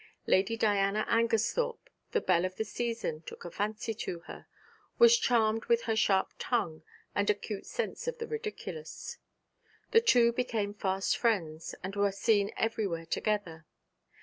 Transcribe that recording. Lady Diana Angersthorpe, the belle of the season, took a fancy to her, was charmed with her sharp tongue and acute sense of the ridiculous. The two became fast friends, and were seen everywhere together.